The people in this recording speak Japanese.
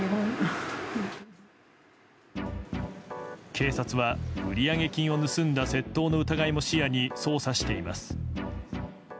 警察は売上金を盗んだ窃盗の疑いも視野に捜査しています。